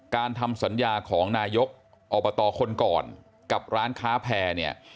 การทำสัญญาของนายกอบตคนก่อนกับร้านค้าแพร่เนี่ย